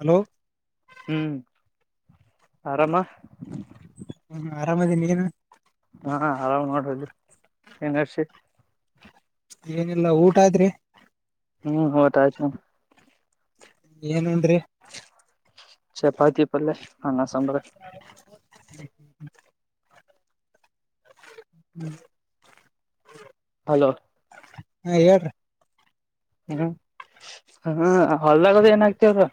Hello ಹ್ಮ್ ಆರಾಮ ಹ್ಮ ಆರಾಮದೀನಿ ಏನು ಹಾ ಆರಾಮ್ ನೋಿ ಏನರ್ಷಿ ಏನಿಲ್ಲಾ ಊಟ ಆಯತ್ ಹ್ಮ್ ಹೊಟ ಆಯ್ತ್ ಏನ್ನ್ರಿ ರಿ ಚಪಾತಿ ಪಲ್ಲ ಅನ್ನ ಸಾಂಬಾರ್ ಹ್ಮ್ ಹಲೋ ಹಾ ಹೇಳ್ತಿ ಹ್ಮ್ ಹ್ಮ ಹೊಲ್ದಾಗದ ಏನ ಆಗ್ತವ್ರ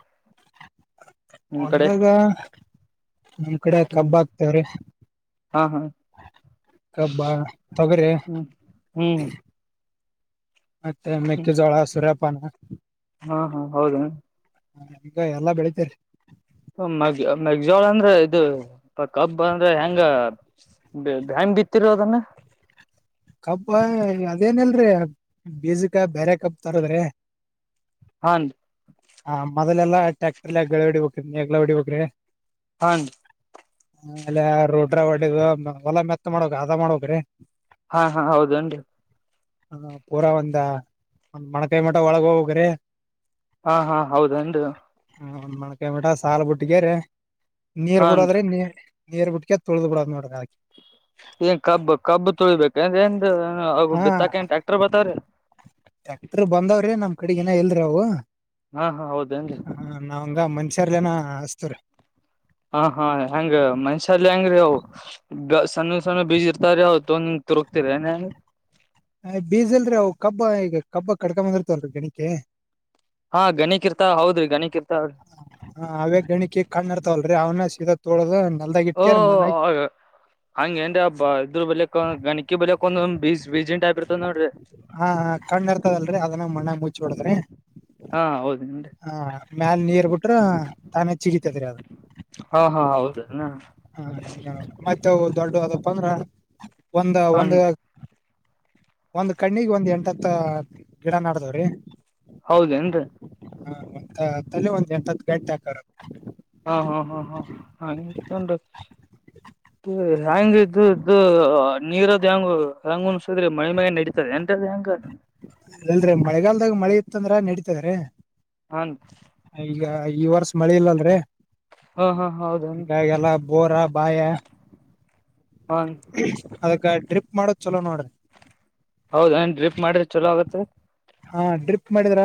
ಒದಾಗ ನಿಮ್ ಕಡೆ ಹ್ಮ್ ಕಬ್ಬ ಆಗ್ತವ್ರೀ ಹಾ ಹಾ ಕಬ್ಬ ತೂಗರೆ ಹ್ಮ್ ಹ್ಮ್ ಮತ್ತೆ ಮೆಕ್ಕೆ ಹ್ಮ್ ಜೋಳ ಹಸುರಪ್ಪಾನ ಹಾ ಹಾ ಹೌದು ಹ ಈಗ ಎಲ್ಲಾ ಬೆಳಿತೀರಿ ಮ ಮೆಗ್ಜೋಳ ಅಂದ್ರೆ ಇದು ಕಬ್ ಅಂದ್ರೆ ಹೆಂಗ ಬಿತ್ತಿರೋ ಅದನ್ನ [inaudible] ಕಪ್ಪ ಅದೇನಲ್ರಿೀ ಬೇಜಿಕ ಬೇರೆ ಕಪ್ ತರದ್ರಿ ಹಂದ ಅವದಲ್ಲೆಲ್ಲ ಟ್ಯಾಕ್ಟರ್ ಗಗಳ ಹೊಡಿ ಹಬೇಕಗಳ ಹೊಡಿ ಹಬೇಕ್ರೆ ಹಂದು ಆಲೆ ರೊಡ್ರ ಒಡದು ಹೊಲ ಮೆತ್ತ ಮಾಡಕ್ ಅದ ಮಾಡ್ಕ್ರೀ ಹಾ ಹಾ ಹೌದನ್ರಿ ಹ ಪೂರಾ ಒಂದ ಒಂದ ಮಣಕೈ ಮಟ ಒಳಗ ಹೋಗ್ರಿ ಹಾ ಹಾ ಹೌದಂದು ಹ್ ಮೊಕಾಯಬಿಟ ಸಾಲ ಬಿುಟ್ಟಿಗೆರ ನೀರ್ ಹಾನ್ರಿ ಬಿಡೋದ್ರೆ ನೀರ್ ನೀರ್ ಬಿಟ್ಟಕ ತಳ್ದ ಬಿಡ ನೋಡ್ರ ಏನ್ ಕಬ್ಬ ಕಬ್ಬ ತೊಳಿಬೇಕುಂದ್ರ ಏನ್ ಅ ಬಿತ್ತಾಕನ್ ಟ್ಯಾಕ್ಟರ್ ಬರ್ತಾವ್ರೀ ಟಕ್ಟರ್ ಬಂದವ್ರಿ ನಮ್ ಕಡೆಗನ ಎಲ್ರಿ ಅವವು ಹಾ ಹಾ ಹೌದೇನ್ರಿ ಹ ನಾವಂಗ ಮನ್ಷ್ಯರ್ಲ್ಲನ ಹಸ್ತ್ರ ಹಾ ಹಾ ಹೆಂಗ ಮನುಷ್ಯಲ್ಲಿ ಹೆಂಗ್ರೀ ಸಣ್ಣ ಸಣ್ಣ ಬೀಜಿ ಇರ್ತಾರ ಅವತ್ತು ಒಂದ ತಿರುಗ್ತಿರಿ ಅ ಬೀಜಲ್ರೀ ಅವು ಕಬ್ಬ ಈಗ ಕಬ್ಬ ಕಡ್ಕೊ ಬಂದಿರ್ತವಲ್ರರಿ ಗಣಿಕ ಹಾ ಗಣಿಕ್ ಇರ್ತಾವ ಹೌದ್ರಿ ಗಣಿಕ್ ಇರ್ತಾವ್ರಿ ಹಾ ಹ ಗಣ ಕೆೇಕ ಕಾಣನ ತಲ್ಲ ಅ ಅವ್ನ ಶೀತಾ ತೋಳೋ ಓ ಹಂಗಗೆ ಏನ್ ಅಬ್ಬ ಇದ್ರ ಬಲಕ ಗಣಿಕಿ ಬಳಕ್ ಬಜ ಬೀಜಿಟ ಅಪರತ್ರೆ ಕಣ್ಣ ಇರ್ತದಲ್ರರಿ ಅದನ್ನ ಮಣ್ಣಾಗ ಮುಚ್ಚಬಡದ್ರಿ ಹೌದೇನ್ರಿ ಹಾ ಮ್ಯಾಲ ನೀರ್ ಬಿಟ್ರ ತಾನೇ ಚಿಗಿತತ್ರಿ ಅದು ಹಾ ಹಾ ಹೌದೇನ ಹ ಮತ್ತೆ ದೊಡ್ಡ ಅದಪ್ಪ ಅಂದ್ರ ಒಂದ ಹ ಒಂದ ಒಂದ್ ಕಣ್ಣಿಗೆ ಒಂದ್ ಎಂಟ ಹತ್ತ ಗಿಡ ನಡದವ್ರಿ ಹೌದೇನ್ರಿ ಹಾ ಒ ತಲೆ ಒಂದ್ ಎಂಟ ಹತ್ತು ಗಂಟೆ ಹಕರ ಹಾ ಹಾ ಹಾ ಹಾ ಹಾಗ ಚ ಹೆ್ಯಾಂಗ ಇದು ಇದು ನೀರದ್ ಹೆ್ಯಾಂಗ ಹೆ್ಯಾಂಗ್ ಉನ್ಸಿದ್ರೆ ಮಳ ಮಾಗ ನಡೀತದೆ ಂಡ ದಂಗ [unintelligible] ತಂದ್ರ ನಡೀತದೆರಿ. ಹನ್ ಈಗ ಈ ವರ್ಷ ಮಳೆ ಇಲ್ಲಲರಿ. ಹಾ ಹಾ [unintelligible] ಹೌದನ್ ಹಂಗಾಗಲ್ಲ ಬೋರ ಬಾಯ ಹಾ ಅದಕ್ಕ ಟ್ರಿಪ್ ಮಾಡೋದ್ ಚಲೋ ನೋಡ್ರಿ. ಹೌದ ಏನ್ ಡ್ರಿಪ್ ಮಾಡ್ರೆ ಚಲೋ ಆಗುತ್ತೆ. ಹಾ ಡ್ರಿಪ್ ಮಾಡಿದ್ರ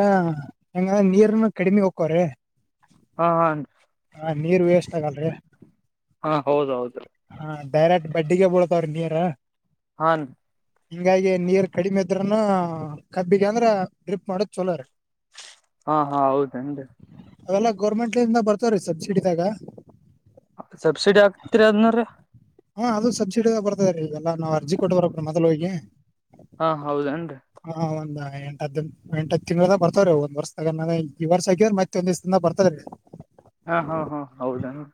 ಹೆಂಗ ನೀರ್ನು ಕಡಿಮಿ ಹೋಕ್ಕವ್ರಿ. ಹಾ ಹಾ ಹಾ ನೀರ್ ವೇಸ್ಟ್ ಆಗಲ ರೀ. ಹಾ ಹೌದೌದ ರೀ. ಡೈರೆಕ್ಟ್ ಬಡ್ಡಿಗೆ ಬಳತಾವ್ರಿ ನೀರ. ಹ ಹಿಂಗಾಗಿ ನೀರ್ ಕಡಿಮೆ ಇದ್ರನು ಕಬ್ಬಿಗೆ ಅಂದ್ರ ಡ್ರಿಪ್ ಮಾಡೋದ್ ಚಲೋ ರೀ ಹಾ ಹಾ ಹೌದೇನ್ರೀ. ಗೋರ್ಮೆಂಟಿಂದ ಬರ್ತವ್ರೀ ಸಬ್ಸಿಡಿದಾಗ. ಸಬ್ಸಿಡಿ ಆಗ್ತಿರಿ ಅದ್ನ್ರು ರೀ. ಹು ಅದು ಸಬ್ಸಿಡಿ ದಾಗ ಬರ್ತದ್ ರೀ ಇವೆಲ್ಲಾ ನಾವು ಅರ್ಜಿ ಕೊಟ್ಟ ಬರಬೇಕ್ ಮೊದಲು ಹೋಗಿ. ಹಾ ಹೌದೇನ್ರಿ. ಒಂದ ಎಂಟತ್ ಎಂಟತ್ ತಿಂಗಳದ ಬರ್ತವ್ರೀ ಒಂದ್ ವರ್ಷದಾಗೆ ಈ ವರ್ಷ ಆಕ್ಯಿದ್ರ ಮತ್ತೆ ಒಂದ್ ದಿವ್ಸ ಬರ್ತವ್ರೀ. ಹಾ ಹಾ ಹಾ ಹೌದೇನ್ರೀ.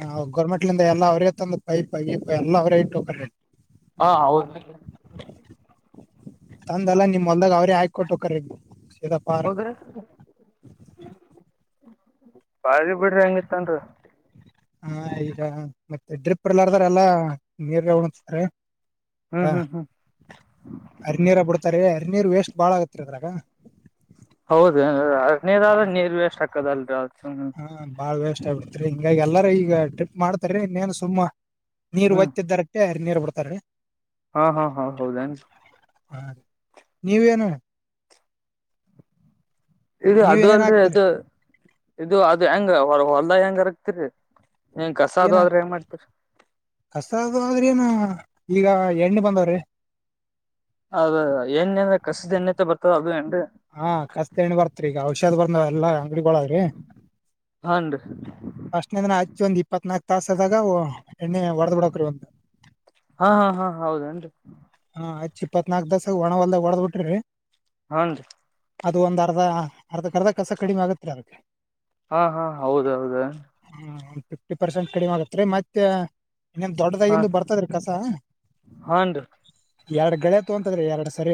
ಹ ಗೌರ್ಮೆಂಟ್ಲಿಂದ ಎಲ್ಲಾ ಅವ್ರೆ ತಂದು ಪೈಪ್ ಗೀಪ ಎಲ್ಲಾ ಅವರೇ ಇಟ್ಟ ಹೋಕರೀ. ಹಾ ಹೌದ ತಂದೆಲ್ಲ ನಿಮ್ ಹೊಲ್ದಾಗ ಅವ್ರೇ ಹಾಕೊಟ್ ಹೊಕಾರಿ. ಹದ್ರೆ [unintelligible] ಬಾರಿ ಬಿಡ್ರಿ ಹೆಂಗಿತ್ತಂದ್ರೆ. ಹಾ ಈಗ ಮತ್ತೆ ಡ್ರಿಪ್ ಇಲ್ಲಾರದಾರೆಲ್ಲ ನೀರ್ಗ ಉಣ್ಣತಾರೆ. ಹ್ಮ್ ಹ ಹ್ಮ್ ಹ್ಮ್ ಹರಿನೀರ ಬಿಡ್ತಾರೆ ಹರಿನೀರ್ ವೇಸ್ಟ್. ಬಾಳ ಆಗತ್ತರ್ದ್ರಾಗ. ಹೌದ ಅರನೇರ ಆದ್ರ ನೀರ್ ವೇಷ್ಟ ಹಾಕದಲ್ರಿ ಅ ಹಾ ಬಾಳ್ ವೇಸ್ಟ ಆಗ್ಬಿಡ್ತ್ರಿ ಹಿಂಗಾಗಿ ಎಲ್ಲಾರ ಈಗ ಟ್ರಿಪ್ ಮಾಡ್ತಾರಿ ಇನ್ನೇನ್ ಸುಮ್ಮ ನೀರ್ ಹ್ಮ್ ಒಯ್ತಿದ್ದಾರಪೆ ನೀರ್ ಬಿಡ್ತಾರೀ. ಹಾ ಹಾ ಹಾ ಹೌದೇನ್ ರೀ. ಹಾ ನೀವೇನು. ಇದು ಅದು ನೀವೇನೇನ್ ಅಲ್ದೇ ಹಾಕ್ತೀರಿ ಇದು ಇದು ಅದ ಹೆಂಗ ಹೊರ ಹೊಲ್ದ ಹೆಂಗರಕ್ತಿರಿ. ಕಸ ಆಗೋದ್ರೆ ಏನ. ಈಗ ಎಣ್ಣೆ ಬಂದವ್ರೀ. ಅದದ ಏಣ್ಣೀ ಅಂದ್ರೆ ಕಸದ್ ಎಣ್ಣೇ ಅಂತ ಬರ್ತದ ಅದು ಎನ್ರೀ. ಹಾ ಕಸ್ದ ಎಣ್ಣೆ ಬರ್ತ್ರಿ ಈಗ ಔಷಧ್ ಬರ್ಂದವಾವ ಎಲ್ಲಾ ಅಂಗಡಿಗೊಳಗ್ರಿ. ಹಾನ್ರಿ ಫಷ್ಟನೀಂದ್ರ ಆಚ್ಚಿ ಒಂದ್ ಇಪ್ಪತ್ನಾಕ್ ತಾಸ ಆದಾಗ ಅವು. ಎಣ್ಣೆ ವಡದೊಡಕರು ಒಂದ್ ಹಾ ಹಾ ಹಾ ಹೌದನ್ರಿ. [unintelligible] ಹ್ಚ ಇಪ್ಪತ್ನಾಲ್ಕ್ ತಾಸಾಗ ಒಣವೆಲ್ಲ ಹೊಡೆದ್ಬೀಟ್ರೆ ರೀ. ಹಾ ಅದು ಒಂದ ಅರ್ಧ ಅರ್ಧ ಅರ್ಧ ಕಸ ಕಡಿಮೆ ಆಗತ್ರಿ ಅದಕ್ಕೆ. ಹಾ ಹಾ ಹೌದ ಹೌದು. ಒಂದ್ ಫಿಫ್ಟಿ ಪರ್ಸೆಂಟ್ ಕಡಿಮೆ ಆಗುತ್ತೆರೀ ಮತ್ತೆ. ಇನ್ನೊನ್ ಹಾ ದೊಡ್ಡದಾಗಿಂದು ಬರ್ತದ್ರ ರೀ ಕಸ. ಹಾನ್ರಿ ಎರಡ್ ಗಳೆ ತಗೊತದ್ರೀ ಎರಡ್ ಸರಿ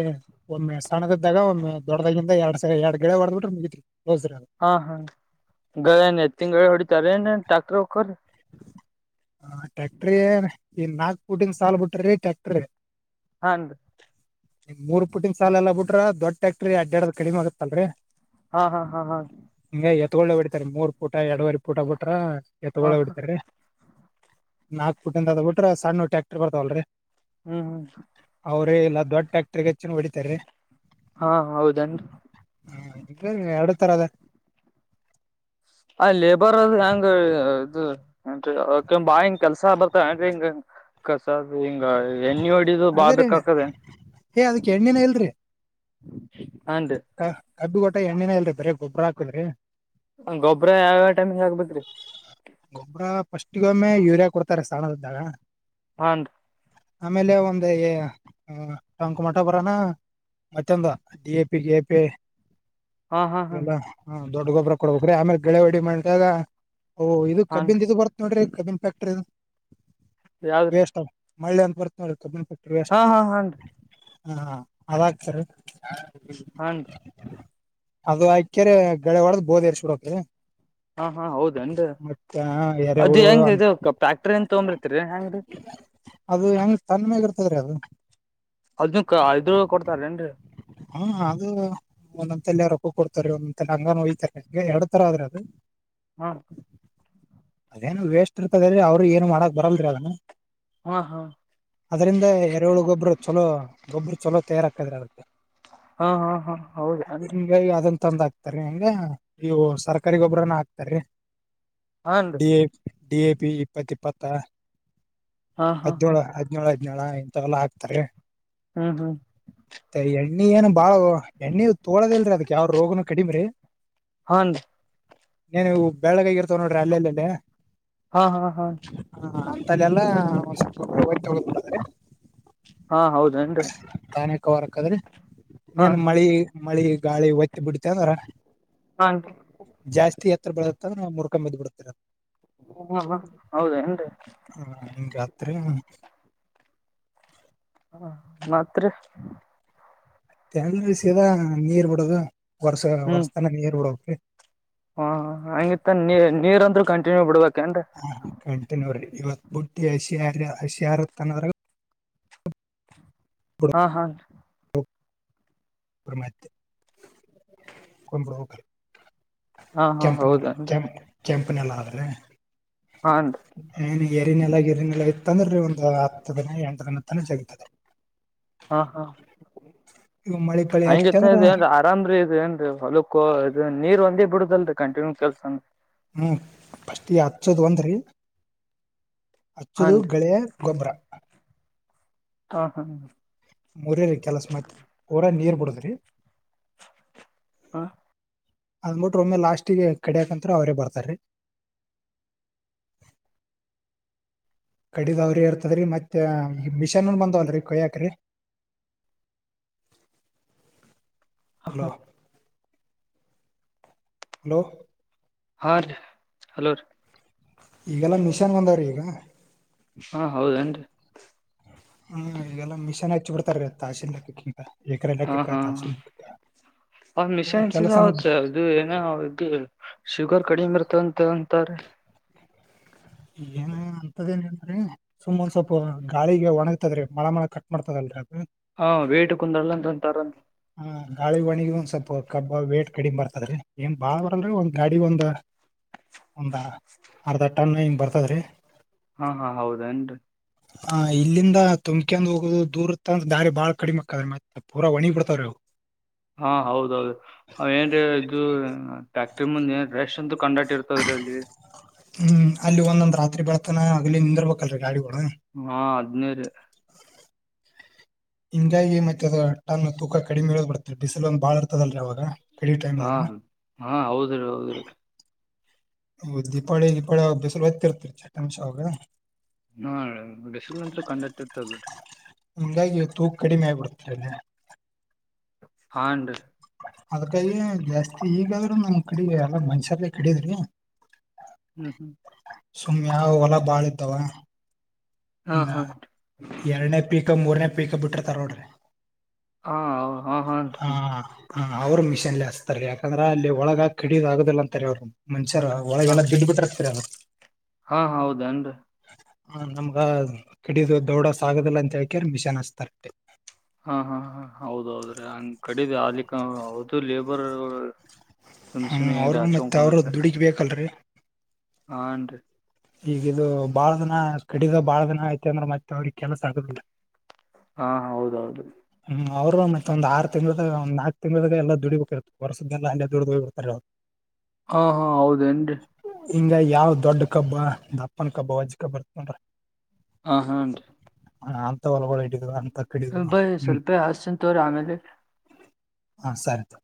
ಒಮ್ಮೆ ಸಣ್ದಿದ್ದಾಗ ಒಮ್ಮ ದೊಡ್ಡಾಗಿಂದ ಎರಡ್ ಸ ಎರ್ಗಡ್ಡೆ ಹೊಡ್ದ ಬಿಟ್ರೆ ಮುಗಿತ್ರೀ. ಹಾ ಹಾ ಗಣ ಏತ್ತಿನ ಗಾಡೀಲ್ ಹೊಡಿತಾರ್ರೀ ಏನ ಟ್ರಕ್ಟ್ರ ಹೋಕ್ಕರೀ. ಹ ಟ್ಯಾಕ್ಟ್ರೀ ಇನ್ ನಾಕ್ ಪೋಟಿಂಗ ಸಾಲ ಬಿಟಿ ಟ್ಯಾಕ್ಟ್ರಿ. ಹಾಂ ರೀ. ಮೂರ್ ಪುಟ್ಟಿನ ಸಾಲ ಎಲ್ಲ ಬಿಟ್ರ ದೊಡ್ಡ ಟ್ರ್ಯಾಕ್ಟರ್ ಅಡ್ಡದ ಕಡಿಮ ಆಗತ್ತಲ್ರರಿ. ಹಾ ಹಾ ಹಾ ಹಾ. ಎತ್ತಗೊಳ್ಳೋ ಬಿಡ್ತಾರೆ ಮೂರ್ ಪೂಟ ಎರಡುವರೆ ಪೂಟ ಬಿಟ್ರ ಎ ತೊಳ್ಳೋ ಹ ಬಿಡ್ತ. ನಾಕ್ ಪುಟ್ಟಿಂದ ಅದ ಬಿಟ್ರ ಸಾನೂ ಟ್ಯಾಕ್ಟರ್ ಬರ್ತಾವಲ್ರರಿ. ಹ್ಮ್ ಹ್ಮ್ ಅವ್ರೇ ಇಲ್ಲ ದೊಡ್ ಫ್ಯಾಕ್ಟ್ರ ಗೆಚ್ಚ ಹೊಡಿತಾರೆ. ಹಾ ಹೌದನ್ ಹೂ ಎರಡ್ ತರ ಅದ. ಆ ಲೇಬರ್ ಅದು ಹೆಂಗ ಇದು ಏನ್ ಕೆ ಬಾ ಹಿಂಗ ಕೆಲ್ಸಾ ಬರ್ತ ಏನ್ರಿ ಹಿಂಗ. ಕ. ಹಿಂಗ ಎಣ್ಣಿ ಹೊಡಿದು ಬಾ ಅದೇ ರೀ ಬಕದೆ. ಏ ಕಬ್ಬಿ ಗಟ್ಟ ಎಣ್ಣೆನ ಇಲ್ರಿ ಬರ ಗೊಬ್ಬ್ರ ಹಾಕಲ್ರಿ. ಗೊಬ್ಬ್ರ ಯಾವ್ಯ ಟೈಮಿಗೆ ಆಗ್ಬೇಕೇರಿ. ಟ್ಟಿಗೊಮ್ಮೆ ಯೂರಿಯಾ ಕೊಡ್ತಾರೆ ಸ್ಥಾನದದ್ದಾಗ. ಹೂ ರಿ. ಆಮೇಲೆ ಒಂದ ಕಾಂಕುಮಠ ಬರಾನ. ಮತ್ತೆಂದ D A P K A P [unintelligible] ಹಾ ಹಾ ಹಾ ಎಲ್ಲ ಹ ದೊಡ್ಡ ಗೊಬ್ಬರ ಕೊಡ್ಬೇಕ್ರೀ ಆಮೇಲೆ ಗೆಳೆ ಹೊಡಿ ಮಾಡಿದಾಗ. ಓಹ ಇದು ಹಾನ್ ಕಬ್ಬಿನ್ ಇ ಬರ್ತ್ ನೋಡ್ರಿ ಕಬ್ಬನ್ ಫ್ಯಾಕ್ಟ್ರಿ ಯಾವ್ದ್ರಿ ವೇಸ್ ಮಳ್ಳೆ ಅಂತ ಬರ್ತ ನೋಡ ಕಬ್ಬನ್ ಫ್ಯಾಕ್ಟರಿ ಅಷ್ಟ ಹಾ ಹಾ ಹಾನ್ರಿ ಹ ಹಾ ಅದಾಗ್ತಾರೆ ಹ. ಅದು ಆಕ್ಯ್ರ ಗಳೆ ಹೊಡದ ಬೋದ ಇರ್ುಡೋಕ ಹಾ ಹಾ ಹೌದನ್ರಿ ಅದ್ ಎರೆಹುಳು ಹೆಂಗ ಇದು ಫ್ಯಾಕ್ಟರಿ [unintelligible] ತೊಂಬ್ರಿತ್ರಿ ಎಂಗ್ರಿ. ಅದು ಹೆಂಗ ತನ್ಮಾಗ ಇರ್ತದ್ರೀ ಅದು. ಅದ್ ಐದ್ರು ಕೊಡ್ತಾರ ಏನ್ರಿ. ಹ್ಮ ಅದು. ಒಂದೊಂದೆಲ್ಲ ರೊಕ್ಕು ಕೊಡ್ತಾರೆ ಒಂದೊಂದಂತೆಲ್ಲ ಹಂಗೋಯ್ತಾರೆ ಈ ಎರಡ್ತಾರ ಆದ್ರೆ ಅದು. ಹಾ. ಅದೇನು ವೇಸ್ಟ್ ಇರ್ತದರಿ ಅವ್ರ ಏನು ಮಾಡಕ್ ಬರಲ್ದರಿ ಅದನು. ಹಾ ಹಾ ಅದರಿಂದ ಎರ ಏಳು ಗೊಬ್ಬರು ಚಲೋ ಗೊಬ್ಬರು ಚಲೋ ತಯಾರ ಹಾಕದ್ರ ಅದೆ. ಹಾ ಹಾ ಹಾ ಹೌದು ಹೆನ್ರಿ. ತಂದ ಹಾಕ್ತಾರೆ ಹಂಗ ಇವು ಸರ್ಕಾರಿ ಗೊಬ್ಬರನ ಹಾಕ್ತಾರಿ ಹಾನ್ರಿ D A. D A P ಇಪ್ಪತ್ತ ಇಪ್ಪತ್ತ ಹಾ ಹಾ ಹಾ ಹದಿನೇಳೇಳು ಹದಿನೇಳು. [unintelligible] ಇಂತವೆಲ್ಲ ಹಾಕ್ತಾರೆ. ಹ್ಮ್ ಹ್ಮ್. ಏನು ಬಾಳ ಕಡಿಮೆ ರೀ. ಹಾನ್. ನೀಏನ್ ಬೆಳಗಾಗಿರ್ತಾವ ನೋಡ್ರಿ ಅಲ್ಲಲ್ಲೆಲ್ಲಿ. ಹಾ ಹಾ ಹಾ. ತಲೆೆಲ್ಲ [unintelligible] ಹಾ ಹೌದೇನ್ರಿ ತಾನಕ ಹೊರಕ್ದ್ರಿ. ಹಾ ನೀನ್ ಹಾ ಮಳಿ ಮಳಿ ಗಾಳಿ ಒತ್ತ ಬಿಡ್ತ ಅಂದ್ರ ಹಾನ್ರಿ ಜಾಸ್ತಿತ್. [unintelligible] ಮುರ್ಕೊಂಡಂಬ್ ಬಿಡ್ತಿರ. ಹಾ ಹಾ ಹೌದೇನ್ರಿ ಹ ರಾತ್ರಿ. ಹಾ ಮತ್ತ ರಿ. ತಂಗಸದ ನೀರ್ ಬಿಡದ ವರ್ಷ ಹ್ಮ್ ವರ್ಸತನ ನೀರ್ ಬಿಡಕ್ರಿ. ಹ ಹಂಗಿತ್ತ ನೀ ನೀರ್ ಅಂದ್ರರು ಕಂಟಿನ್ಯೂ ಬಿಡ್ಬೇಕು. ಹಾ ಕಂಟ ನೋರಿ ಇವತ್ ಬುಟ್ಟಿ ಹಸಿರ ಹಸಿಯಾರತ್ ಅದ್ರಲ್ಲಿ. ಹಾ ಹಾ [unintelligible] ಹಾ ಹಾ ಕೆಂಪ್ನ ಹೌದೇನ್ರಿ ಕೆಂಪ್ ಕೆಂಪನಲ್ಲ ಆದ್ರೆ. ಹಾನ್ರಿ ಏನ ಎರಿನೆಲ್ಲ ಗರಿನೆಲ್ಲ ಇತ್ತಂದ್ರರಿ ಒಂದ ಹತ್ತು ದಿನ ಎಂಟ ದಿನ [unintelligible] ತಾನ ಜಗತ್ತದೆ. [unintelligible] ಹಾ ಹಾ [unintelligible] ಮಳಿ ಪಳಿ ಹತ್ತಿ ಹಂಗೆತ್ತ ಅಂದ್ರ ದೇವರ ಆರಾಮ್ರೀ ಇದು ಏನ್ ರೀ ಹೊಲಕ್ಕೋ ಇದ ನೀರ್ ಒಂದೇ ಬಿಡ [unintelligible] ಇದಲ್ಲರಿ ಕಂಟಿನ್ಯೂ ಕೆಲಸ ನಮ್ದ [unintelligible] ಹೂ ಫಸ್ಟ್ ಈ ಹಚ್ಚೋದ್ ಒಂದರಿ [unintelligible] ಹಚ್ಚದು ಹಾನ್ರಿ ಗಳೆಯ ಗೊಬ್ಬರ [unintelligible] ಹೌದ [unintelligible] ಸರಿ [unintelligible] ಹಾ [unintelligible] ಅದಮ್ ಬಿಟ್ರೆ ಒಮ್ಮೆ ಲಾಸ್ಟಿಗೆ ಕಡಿಯಾಕ ಅಂತ ಅವರೇ ಬರ್ತಾರಿ. [unintelligible] [unintelligible] ಕಡಿದ ಅವ್ರಿ ಇರ್ತದ್ರರಿ ಮತ್ತೆ ಈ ಮಿಷನ್ನ್ ಬಂದವಲ್ರಿ ಕೊಯಾಕ್ ರೀ [unintelligible] ಹಲೋ? [unintelligible] ಹಲೋ? [unintelligible] ಹಾರೀ ಹಲೋರಿ [unintelligible] ಈಗ ಏನ್ ಮಿಶಾನ್ ಬಂದವ್ರಿ ಈಗ. [unintelligible] ಹಾ ಹೌದ ಏನ್ ರೀ [unintelligible] ಹೂ ಈಗೆಲ್ಲ ಮಿಶನ್ ಹಚ್ಚಿ ಬಿಡ್ತಾರರಿ ತಾಸಿನ್ ಲೆಕ್ಕಕಿಂತ [unintelligible] ಹ ಹಾ ಅವ ಮಿಷನ್ ಹಚ್ಚಿದರ ಆವ ಕೆಲಸನ ಚಾರ್ಜು ಏನ್ ಇದು [unintelligible] ಶುಗರ್ ಕಡಿಮೆ ಇರುತಂತಂತಾರೆ. [unintelligible] ಏನ್ ಹಂತಾದ ಏನಿಲ್ [unintelligible] ಕರೆನ ಸುಮ್ ಒಂದ್ ಸ್ವಲ್ಪ ಗಾಳಿಗೆ ಒಣಗ್ತದ್ರೀ ಮಳ ಮಳ ಕಟ್ ಮಾಡ್ತದಲ್ರಿ ಅದು [unintelligible] ಹಾ ವೇಟ ಕುಂದರಲ್ಲ ಅಂದ ಅಂತಾರ ಅಲ್ಲ [unintelligible] ಹ ಗಾಳಿ ಒಣಗಿ ಒಂದ್ ಸ್ವಲ್ಪ ಕಬ್ ವೇಟ್ ಕಡಿಮೆ ಬರ್ತದ್ರೀ ಏನ್ ಬಾಳ್ ಬರಲ್ರರಿ ಒಂದ್ ಗಾಡಿ ಒಂದ [unintelligible] ಒಂದ ಅರ್ಧ ಟನ್ ಹಿಂಗ ಬರ್ತದ್ರಿ. [unintelligible] ಹ ಹಾ ಹೌದ ಏನ್ ರೀ [unintelligible] ಹ ಇಲ್ಲಿಂದ ತುಂಬಕೆಂದ ಹೋಗೋದು ದೂರ ತೊಗೊಂದ ದಾರಿ ಬಾಳ ಕಡಿಮೆ ಅಕತದ್ರಿ ಮತ್ತೆ ಪೂರ ಒಣಿಗ ಬಿಡತ [unintelligible] ತ್ತರವ [unintelligible] ಹಾ ಹೌದ ಹೌದ ಏನರ ಇದು ಫ್ಯಾಕ್ಟರಿ ಮುಂದ ಏನ್ ರೇಷ ಅಂತು [unintelligible] ಹೂ ಅಲ್ಲಿ ಒಂದೊಂದ್ ರಾತ್ರಿ ಬೆಳತಾನ ಅಹಗಲಿ ನಿಂದಿರ್ಬೇಕಲ್ ಗಾಡಿಗಳು [unintelligible] ಹಾ ಹದಿನೈದ. [unintelligible] ಹಿಂಗಾಗಿ ಮತ್ತೆ ಅದ ಹಟ್ಟನಾ ತೂಕ ಕಡಿಮೆ ಇಳದ್ ಬಿಡುತ್ತೆ ಬಿಸಿಲು ಒಂದ್ ಬಾಳ್ ಅರ್ತದಲ್ಲರಿ ಅವಾಗ [unintelligible] ಹಾ ಹಾ ಹೌದ್ರಿ ಹೌದ್ರಿ [unintelligible] ಹೌದ ದೀಪಾವಳಿ ದೀಪಾವಳಿ ಬಿಸಿಲ ಹೊತರ್ತ್ರಿ ಚಟ್ ಆಮಶಾ ಆವಾಗ [unintelligible] ಹಾ ಬಿಸಲ್ ಅಂತೂರ ಕಂಡಇಟರ್ತ್ದ ಬಿಡರಿ [unintelligible] ಹಾಂಗ್ ಆಗಿ ತೂಕ ಕಡಿಮೆ ಆಗ ಬಿಡತರಿ [unintelligible] ಹಾಂಡ [unintelligible] ಅದಕ್ಕಾಗಿ ಜಾಸ್ತಿ ಈಗಾದ್ರೂ ನಮ್ಮ ಕಡಿಗ ಎಲ್ಲ ಮನುಷ್ಯಗೆ ಕಡಿಯೋದರಿ [unintelligible] ಹು [unintelligible] ಸುಮ್ನ ಯಾವ ಹೊಲ ಬಾಳ ಇದ್ದಾವ? [unintelligible] ಹಾ ಹಂಗ ಹಾನ್ರಿ ಎರನೇ ಪೀಕ್ ಮೂರ್ನೇ ಪೀಕ್ ಬಿಟ್ರ ತರೋಡ್ರಿ ಹಾ ಹಾ ಹಾನ್ರೀ ಹಾ ಅವರ ಮಿಷನ್ ಲೇ ಹಸ್ತಾರರಿ ಯಾಕಂದ್ರ ಅಲ್ಲಿ ಒಳಗ ಕಡಿದ್ ಆಗುವುದಿಲ್ಲ ಅಂತಾರೆ ಅವರು [unintelligible] ಚರ ಒಳಗ ಹಾ ಎಲ್ಲಾ ಬಿದಬಿಟ್ಟಿರತದ [unintelligible] ಹಾ ಹೌದ ಏನ್ ರೀ [unintelligible] ಹ ನಮಗ ಕಿಡಿದು ದೌಡ ಸಾಗುದಿಲ್ಲ ಅಂತ ಹೇಳ್ ಕ್ಯಾರ್ ಮಿಷನ್ ಹಸ್ತರಾ ರಿ [unintelligible] ಹಾ ಹಾ ಹೌದ ರೀ ಹಂಗ್ ಕಡಿದ ಆಲಿಕ ಅಂದರ್ ಅವರ್ದು ಲೇಬರ್ ಗಳ [unintelligible] ಹ ಅವರು ಮತ್ತೆ ಅವರು ದುಡಿಕ ಬೇಕಲ್ರರಿ. [unintelligible] ಹಾನ್ ರೀ [unintelligible] ಈಗ ಇದು ಬಾಳ ದಿನ ಕಡಿದ ಬಾಳ ದಿನ ಆಯತ ಅಂದ್ರೆ ಮತ್ತೆ ಅವ್ರಿಗೆ ಕೆಲಸ ಆಗುದಿಲ್ಲ ರೀ [unintelligible] ಹಾ ಹೌದ ಹೌದ [unintelligible] ಹ್ಮ್ ಅವ್ರು ಮತ್ತೆ ಒಂದ ಆರು ತಿಂಗಳಗ ಒಂದು ನಾಕಕ್ ತಿಂಗಳಾಗ ಎಲ್ಲ ದುಡಿಬೇಕಿ ಇತ್ತೆ ಹೊರ್ಸದ್ದೆಲ್ಲ ಅಲ್ಲ ದುಡ್ದ ಹೋಗಿ ಬಿಡ್ತಾರೆ ಅವ್ರು ಹಾ ಹಾ ಹೌದೇನ್ರಿ ಹಿಂಗ ಯಾವ್ ದೊಡ್ ಕಬ್ಬ ದಪ್ಪನ ಕಬ್ಬ ವಜ್ಜ ಕಬ್ ಇರ್ತದ್ ನೋಡ್. ಹ ಹಾ ಅನ್ರೀ ಹ ಅಂತ ಹೊಲಬಳ [unintelligible] ಹಡಿದು ಅಂತ ಕಡಿದು ಬೈ ಹ್ಮ್ ಸ್ವಲ್ಪೇ ಹಚ್ಚಿತೀನಿ ತೋರಿ ಆಮೇಲೆ. ಹ ಸರಿ ತಾ